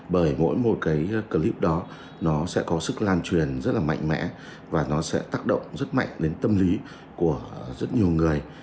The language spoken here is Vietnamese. bởi mỗi một clip đó sẽ có sức lan truyền rất mạnh mẽ và nó sẽ tác động rất mạnh đến tâm lý của rất nhiều người